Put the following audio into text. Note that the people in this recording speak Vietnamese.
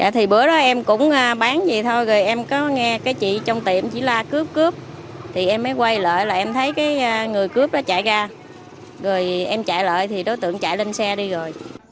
thì bữa đó em cũng bán gì thôi rồi em có nghe cái chị trong tiệm chỉ la cướp cướp thì em mới quay lại là em thấy cái người cướp đó chạy ra rồi em chạy lại thì đối tượng chạy lên xe đi rồi